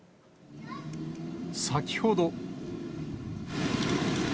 先ほど。